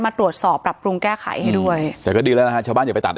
มาตรวจสอบปรับปรุงแก้ไขให้ด้วยแต่ก็ดีแล้วนะฮะชาวบ้านอย่าไปตัด